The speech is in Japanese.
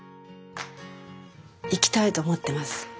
生きたいと思ってます。